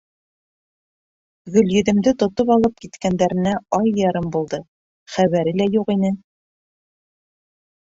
Гөлйөҙөмдө тотоп алып киткәндәренә ай ярым булды, хәбәре лә юҡ ине.